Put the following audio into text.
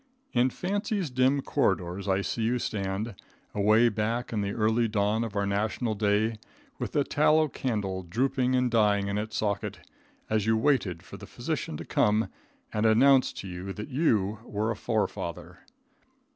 In fancy's dim corridors I see you stand, away back in the early dawn of our national day, with the tallow candle drooping and dying in its socket, as you waited for the physician to come and announce to you that you were a forefather.